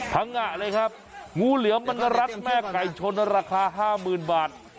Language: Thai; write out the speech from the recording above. งะเลยครับงูเหลือมมันรัดแม่ไก่ชนราคา๕๐๐๐บาท